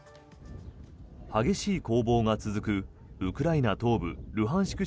激しい攻防が続くウクライナ東部ルハンシク